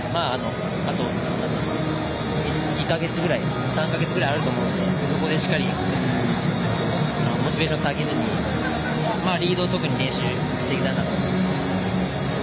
あと２か月、３か月ぐらいあると思うのでそこでしっかりモチベーション下げずにリードを特に練習していきたいなと思います。